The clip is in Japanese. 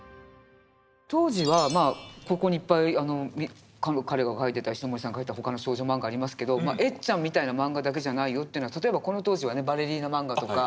当時はまあここにいっぱい彼が描いてた石森さんが描いた他の少女漫画ありますけど「エッちゃん」みたいなマンガだけじゃないよっていうのは例えばこの当時はねバレリーナ漫画とか。